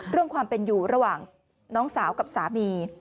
เรื่องความเป็นอยู่ระหว่างน้องสาวกับสามี